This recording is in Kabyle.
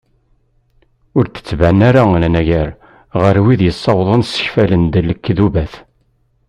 Ur d-tettban ara anagar ɣer wid yessawaḍen ssekfalen-d lekdubat.